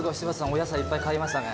お野菜いっぱい買いましたね。